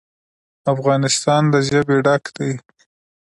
افغانستان له ژبې ډک دی.